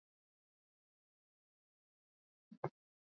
mkulima anashauriwa kutengeneza bidhaa mbalimbali kutoka kwenye viazi lishe